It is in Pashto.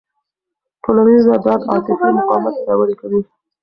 ټولنیزه ډاډ عاطفي مقاومت پیاوړی کوي.